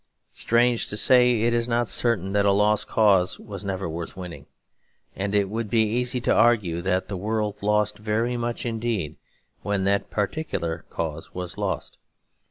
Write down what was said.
Strange to say, it is not certain that a lost cause was never worth winning; and it would be easy to argue that the world lost very much indeed when that particular cause was lost.